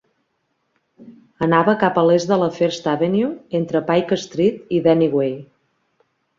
Anava cap a l'est de la First Avenue, entre Pike Street i Denny Way.